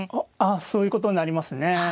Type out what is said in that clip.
あそういうことになりますね。